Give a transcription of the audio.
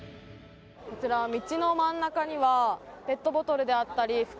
こちら、道の真ん中にはペットボトルであったり袋